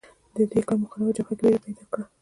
دې کار مخالفه جبهه کې وېره پیدا کړه